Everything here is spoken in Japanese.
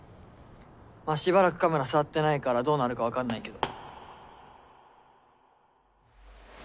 まあしばらくカメラ触ってないからどうなるか分かんないけど。